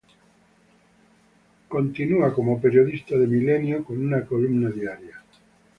Él continúa como periodista de Milenio con una columna diaria.